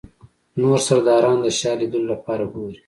نور سرداران د شاه لیدلو لپاره ګوري.